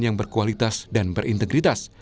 yang berkualitas dan berintegritas